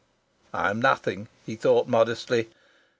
"I am nothing!" he thought modestly.